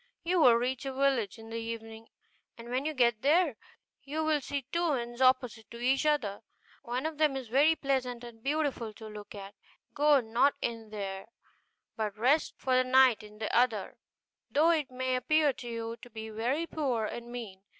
You will reach a village in the evening; and when you get there, you will see two inns opposite to each other, one of which is very pleasant and beautiful to look at: go not in there, but rest for the night in the other, though it may appear to you to be very poor and mean.